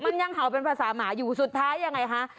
มันยังเห่าเป็นภาษาหมาอยู่สุดท้ายยังไงคะ